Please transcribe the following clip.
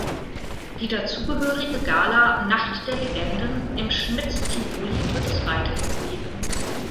Die dazugehörige Gala "Nacht der Legenden" im Schmidts Tivoli wird es weiterhin geben.